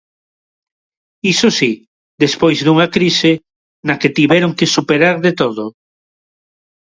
Iso si, despois dunha crise na que tiveron que superar de todo.